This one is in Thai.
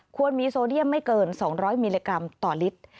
ควรมีโซเดียมไม่เกิน๒๐๐มิลลิกรัมต่อลิตร